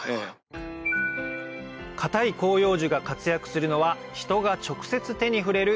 堅い広葉樹が活躍するのは人が直接手に触れる